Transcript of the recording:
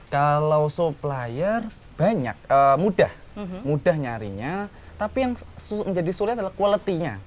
kalau supplier banyak mudah mudah nyarinya tapi yang menjadi sulit adalah quality nya